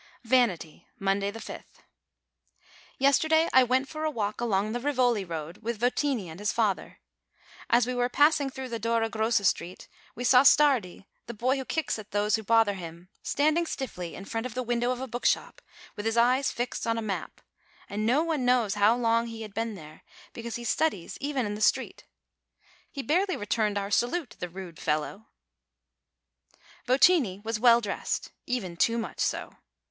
VANITY Monday, 5th. Yesterday I went for a walk along the Rivoli road with Votini and his father. As we were passing through the Dora Grossa Street we saw Stardi, the boy who kicks at those who bother him, standing stiffly in front of the window of a book shop, with his eyes fixed on a map; and no one knows how long he had been there, because he studies even in the street. He barely returned our salute, the rude fellow ! Votini was well dressed even too much so.